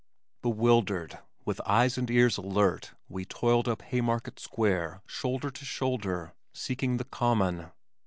Bewildered, with eyes and ears alert, we toiled up Haymarket Square shoulder to shoulder, seeking the Common.